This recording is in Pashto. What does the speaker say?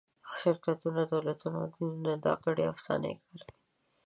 شرکتونه، دولتونه او دینونه دا ګډې افسانې کاروي.